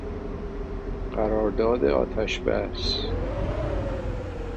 قرارداد آتش بس